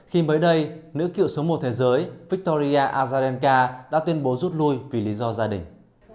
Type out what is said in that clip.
khi mới đây nữ cựu số một thế giới victoria azarmca đã tuyên bố rút lui vì lý do gia đình